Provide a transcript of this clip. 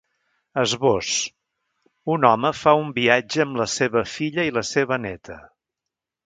Esbós: Un home fa un viatge amb la seva filla i la seva néta.